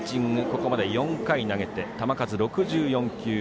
ここまで４回投げて球数６４球。